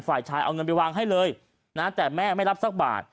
ฝ่ายชายเอาเงินไปวางให้เลยนะแต่แม่ไม่รับสักบาท